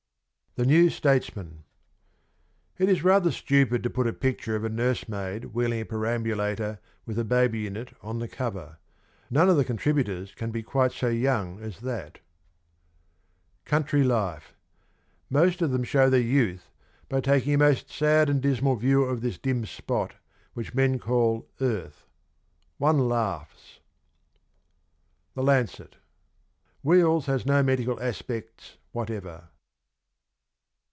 113 THE NEW STATESMAN. ... It is rather stupid to put a picture of a nursemaid wheeling a perambulator with a baby in it on the cover. None of the contributors can be quite so young as that. COUNTRY LIFE. Most of them show their youth by taking a most sad and dismal view of this dim spot which men call earth. ... One laughs. THE LANCET. ' Wheels " has no medical aspects whatever.'